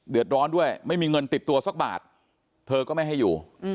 ร้อนด้วยไม่มีเงินติดตัวสักบาทเธอก็ไม่ให้อยู่